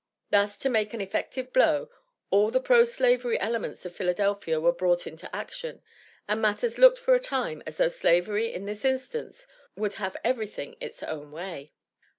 Thus, to make an effective blow, all the pro slavery elements of Philadelphia were brought into action, and matters looked for a time as though Slavery in this instance would have everything its own way.